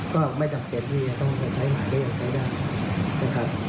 ก็ไม่จำเป็นที่ต้องใช้หมายก็ยังใช้ได้